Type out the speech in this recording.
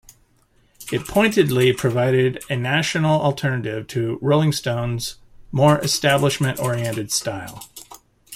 It pointedly provided a national alternative to "Rolling Stone's" more establishment-oriented style.